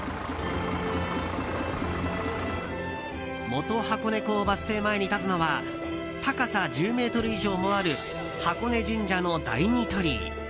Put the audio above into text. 元箱根港バス停前に立つのは高さ１０ｍ以上もある箱根神社の第二鳥居。